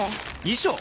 衣装？